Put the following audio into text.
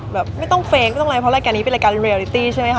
แบบไม่ต้องเฟ้งไม่ต้องอะไรเพราะรายการนี้เป็นรายการเรียลิตี้ใช่ไหมคะ